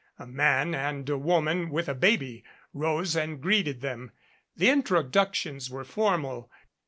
A man and a woman with a baby rose and greeted them. The introductions were formal.